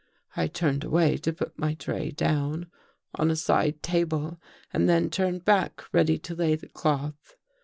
I turned away to put my tray down on a side table and then turned back ready to lay the cloth.